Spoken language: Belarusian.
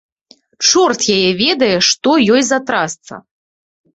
Чорт яе ведае, што ёй за трасца.